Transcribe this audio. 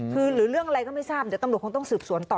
คือหรือเรื่องอะไรก็ไม่ทราบเดี๋ยวตำรวจคงต้องสืบสวนต่อ